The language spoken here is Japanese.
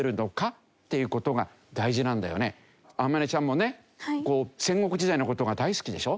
天音ちゃんもね戦国時代の事が大好きでしょ？